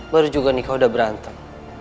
baru juga nikah udah berantem